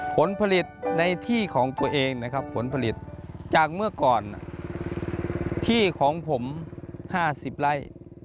ผลผลิตในที่ของตัวเองนะครับผลผลิตจากเมื่อก่อนที่ของผม๕๐ไร่